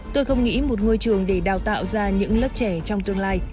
tôi không nghĩ một ngôi trường để đào tạo ra những lớp trẻ trong tương lai